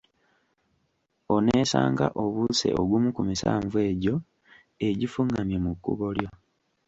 Oneesanga obuuse ogumu ku misanvu egyo egifungamye mu kkubo lyo.